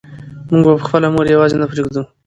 موږ به خپله مور یوازې نه پرېږدو.